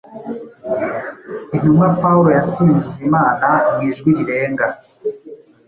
intumwa Pawulo yasingije Imana mu ijwi rirenga.